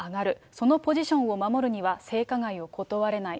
そのポジションを守るには、性加害を断れない。